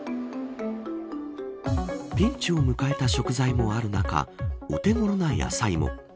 ピンチを迎えた食材もある中お手頃な野菜も。